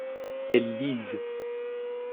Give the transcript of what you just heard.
elles lisent.